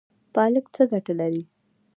پالک څه ګټه لري؟